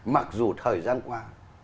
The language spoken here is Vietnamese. mặc dù thời gian qua